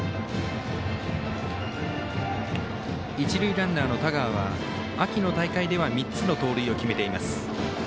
一塁ランナーの田川は秋の大会では３つの盗塁を決めています。